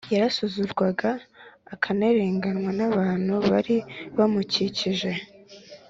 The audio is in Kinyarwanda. Yarasuzugurwaga akanarenganywa n’abantu bari bamukikije.